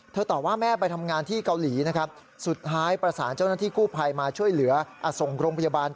เธอตอบว่าแม่ไปทำงานที่เกาหลีสุดท้ายประสานเจ้านหลักธิกูภัยมาช่วยเหลือส่งกรงพยาบาลก่อน